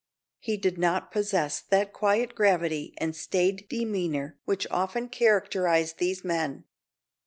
He did not possess that quiet gravity and staid demeanour which often characterize these men.